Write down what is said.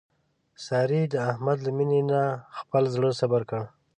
سارې د احمد له مینې نه خپل زړه صبر کړ.